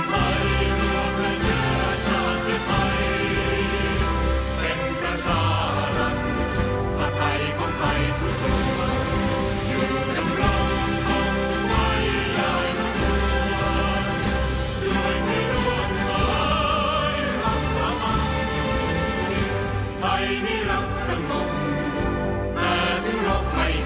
กำลังจะไปให้ใครความเคลียด